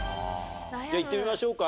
じゃあいってみましょうか？